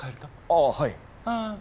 ああはい。